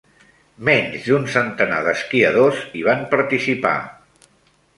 Menys d'un centenar d'esquiadors hi van participar.